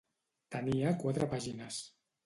Tenia quatre pàgines.